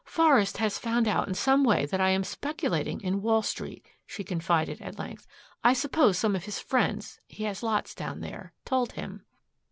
"Forest has found out in some way that I am speculating in Wall Street," she confided at length. "I suppose some of his friends he has lots down there told him."